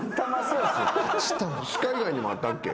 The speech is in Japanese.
鹿以外にもあったっけ？